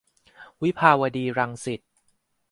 วิภาวดี-รังสิต